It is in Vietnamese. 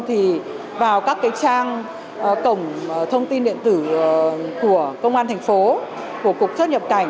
thì vào các trang cổng thông tin điện tử của công an thành phố của cục xuất nhập cảnh